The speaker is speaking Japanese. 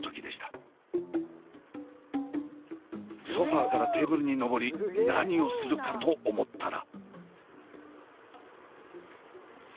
ソファーからテーブルに登り何をするかと思ったら。